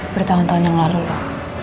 bertahun tahun yang lalu pak